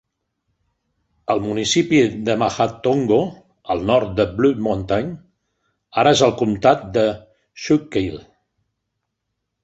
El municipi de Mahantongo, al nord de Blue Mountain, ara és el comtat de Schuylkill.